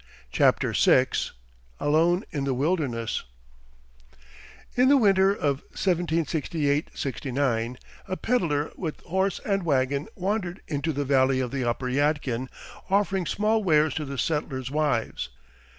CHAPTER VI ALONE IN THE WILDERNESS In the winter of 1768 69 a pedler with horse and wagon wandered into the valley of the upper Yadkin, offering small wares to the settlers' wives.